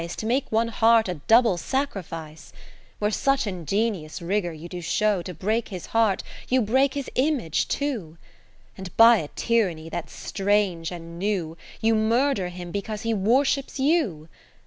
To make one heart a double Sacrifice ? Where such ingenious rigour you do show, To break his heart, you break his image too ; Kath eri7ie Philips And by a tyranny that's strange and new, You murther him because he worships you.